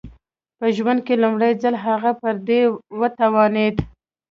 په ژوند کې لومړی ځل هغه پر دې وتوانېد